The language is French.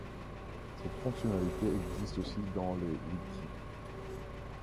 Cette fonctionnalité existe aussi dans les wikis.